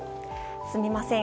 すみません。